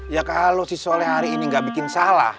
ya kalau si sola hari ini gak bikin salah